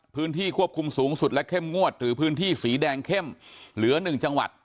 พื้นที่ควบคุมสูงสุดและเข้มงวดหรือพื้นที่สีแดงเข้มเหลือ๑จังหวัด